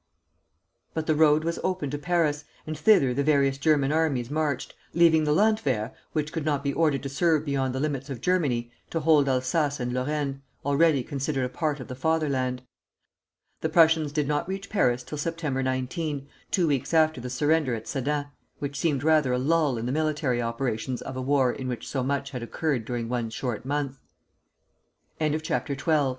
But the road was open to Paris, and thither the various German armies marched, leaving the Landwehr, which could not be ordered to serve beyond the limits of Germany, to hold Alsace and Lorraine, already considered a part of the Fatherland. The Prussians did not reach Paris till September 19, two weeks after the surrender at Sedan, which seemed rather a lull in the military operations of a war in which so much had occurred during one short month. CHAPTER XIII.